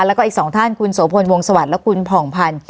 แล้วก็อีกสองท่านคุณโสพลวงสวัสดิ์และคุณผ่องพันธ์